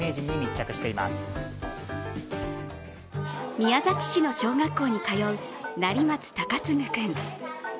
宮崎市の小学校に通う成松隆嗣君。